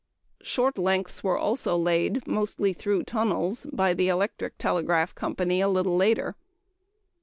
Short lengths were also laid, mostly through tunnels, by the Electric Telegraph Company a little later.